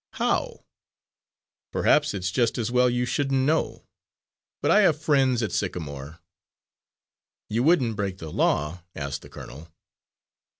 "How?" "Perhaps it's just as well you shouldn't know. But I have friends at Sycamore." "You wouldn't break the law?" asked the colonel.